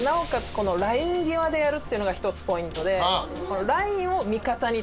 このライン際でやるっていうのが１つポイントで。